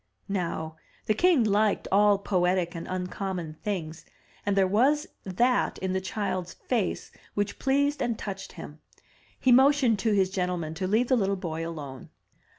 Now, the king liked all poetic and uncommon things, and there was that in the child's face which pleased and touched him. He motioned to his gentlemen to leave the little boy alone.